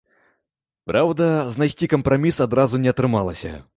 Праўда, знайсці кампраміс адразу не атрымалася.